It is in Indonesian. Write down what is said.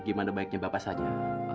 gimana baiknya bapak saja